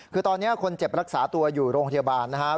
คือตอนนี้คนเจ็บรักษาตัวอยู่โรงพยาบาลนะครับ